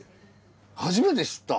初めて知った。